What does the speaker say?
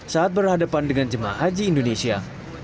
saat berhadapan dengan jemaah haji indonesia